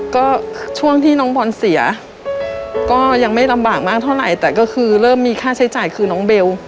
ก็ช่วงที่น้องบอลเสียก็ยังไม่ลำบากมากเท่าไหร่แต่ก็คือเริ่มมีค่าใช้จ่ายคือน้องเบล